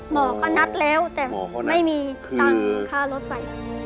หมอก็นัดแล้วแต่ไม่มีตังค์ค่ารถไป